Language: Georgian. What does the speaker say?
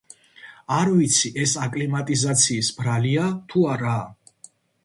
არ ვიცი ეს აკლიმატიზაციის ბრალია თუ რა.